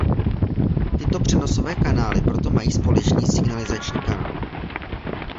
Tyto přenosové kanály proto mají společný signalizační kanál.